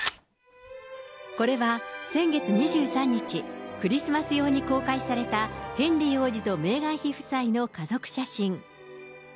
これは先月２３日、クリスマス用に公開されたヘンリー王子とメーガン妃夫妻の家族写真。